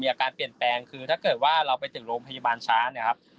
อาการเปลี่ยนแปลงคือถ้าเกิดว่าเราไปถึงโรงพยาบาลช้าเนี่ยครับ